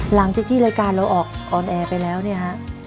หลังจากที่รายการเราออกออนแอร์ไปแล้วเนี่ยฮะ